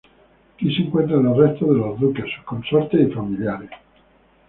Aquí se encuentran los restos de los duques, sus consortes y familiares.